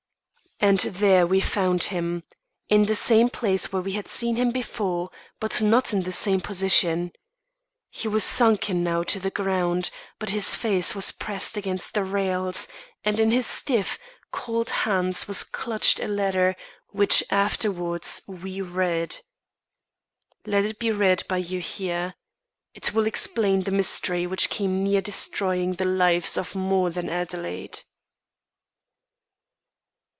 And there we found him, in the same place where we had seen him before, but not in the same position. He was sunken now to the ground; but his face was pressed against the rails, and in his stiff, cold hand was clutched a letter which afterwards we read. Let it be read by you here. It will explain the mystery which came near destroying the lives of more than Adelaide.